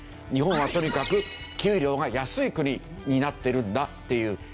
日本はとにかく給料が安い国になってるんだっていう。